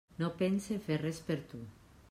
No pense fer res per tu.